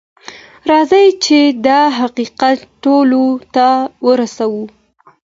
راځئ چې دا حقیقت ټولو ته ورسوو.